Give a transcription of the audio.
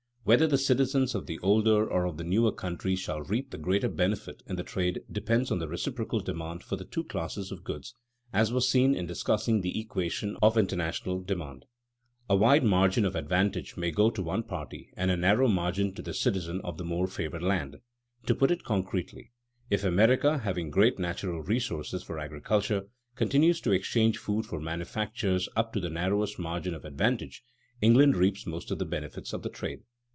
Whether the citizens of the older or of the newer country shall reap the greater benefit in the trade depends on the reciprocal demand for the two classes of goods, as was seen in discussing the equation of international demand. A wide margin of advantage may go to one party and a narrow margin to the citizen of the more favored land. To put it concretely: if America, having great natural resources for agriculture, continues to exchange food for manufactures up to the narrowest margin of advantage, England reaps most of the benefits of the trade.